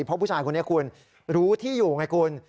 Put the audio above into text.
เพราะผู้ชายคนนี้คุณรู้ที่อยู่ไงคุณ